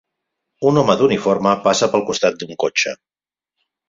Un home d'uniforme passa pel costat d'un cotxe.